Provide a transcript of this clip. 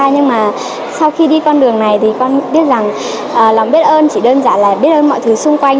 nhưng mà sau khi đi con đường này thì con biết rằng lòng biết ơn chỉ đơn giản là biết ơn mọi thứ xung quanh